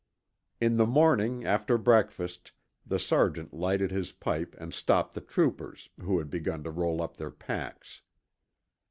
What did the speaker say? In the morning after breakfast the sergeant lighted his pipe and stopped the troopers, who had begun to roll up their packs.